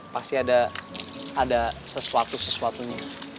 pasti ada sesuatu sesuatunya